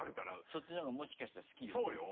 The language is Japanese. そっちのほうがもしかしたら好きそうよ。